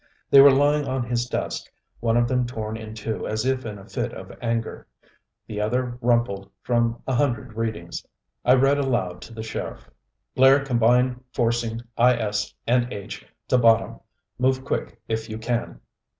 They were lying on his desk, one of them torn in two as if in a fit of anger, the other rumpled from a hundred readings. I read aloud to the sheriff: BLAIR COMBINE FORCING I. S. AND H. TO BOTTOM. MOVE QUICK IF YOU CAN.